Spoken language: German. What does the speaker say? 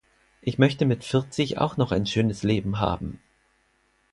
Ich möchte mit vierzig auch noch ein schönes Leben haben.